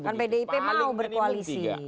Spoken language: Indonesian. kan pdip mau berkoalisi